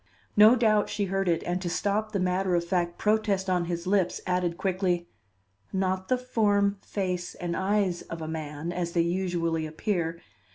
No doubt she heard it, and to stop the matter of fact protest on his lips added quickly: "Not the form, face and eyes of a man, as they usually appear.